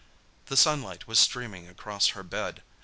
The sunlight was streaming across her bed.